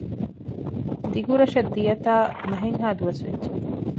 ދިގުރަށަށް ދިޔަތާ މަހެއްހައި ދުވަސް ވެއްޖެ